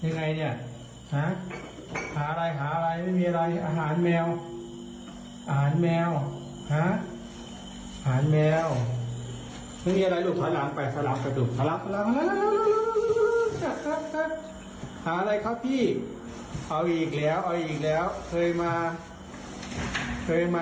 เคยมาเอาไปอีกแล้วเอาไปอีกแล้วนะ